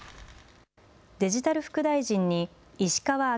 デジタル副大臣に石川昭